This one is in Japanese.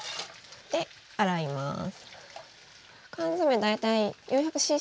で洗います。